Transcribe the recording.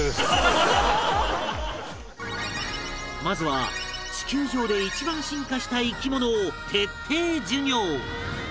まずは地球上で一番進化した生き物を徹底授業